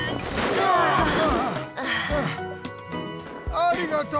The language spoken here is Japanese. ありがとう！